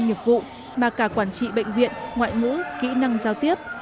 nghiệp vụ mà cả quản trị bệnh viện ngoại ngữ kỹ năng giao tiếp